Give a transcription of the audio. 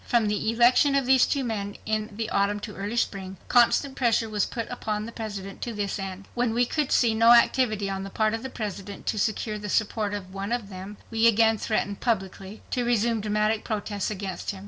From the election of these two men in the autumn to early spring, constant pressure was put upon the President to this end. When we could see no activity on the part of the President to secure the support of one of them, we again threatened publicly to resume dramatic protests against him.